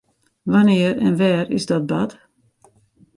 Wannear en wêr is dat bard?